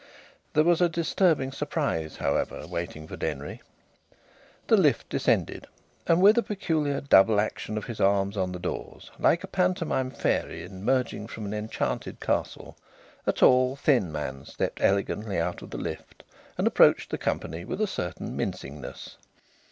There was a disturbing surprise, however, waiting for Denry. The lift descended; and with a peculiar double action of his arms on the doors, like a pantomime fairy emerging from an enchanted castle, a tall thin man stepped elegantly out of the lift and approached the company with a certain mincingness.